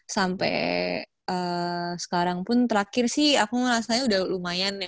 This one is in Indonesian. sampai sekarang pun terakhir sih aku ngerasanya udah lumayan ya